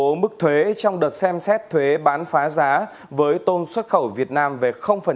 công bố mức thuế trong đợt xem xét thuế bán phá giá với tôm xuất khẩu việt nam về